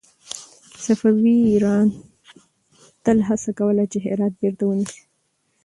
صفوي ایران تل هڅه کوله چې هرات بېرته ونيسي.